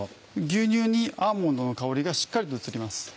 牛乳にアーモンドの香りがしっかりと移ります。